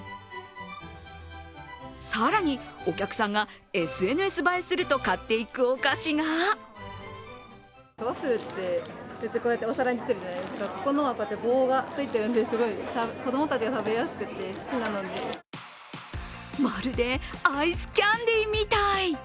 更に、お客さんがＳＮＳ映えすると買っていくお菓子がまるでアイスキャンディーみたい。